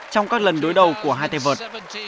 trong các lần đối đầu của hai tay vượt